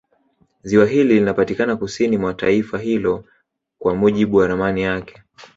Ziwa hili linapatikana kusini mwa taifa hilo kwa mujibu wa ramani yake